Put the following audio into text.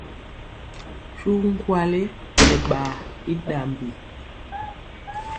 Suvu nkwali nɛ ɓaa i ɗambi.